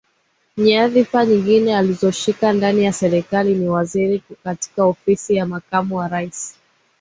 Nyadhifa nyingine alizoshika ndani ya Serikali ni Waziri katika Ofisi ya Makamu wa Rais